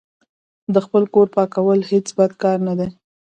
د خپل کور پاکول هیڅ بد کار نه ده.